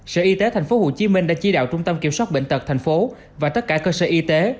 sở y tế tp hcm đã chỉ đạo trung tâm kiểm soát bệnh tật tp hcm và tất cả cơ sở y tế